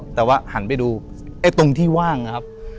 แต่ว่าหันไปดูไอ้ตรงที่ว่างนะครับ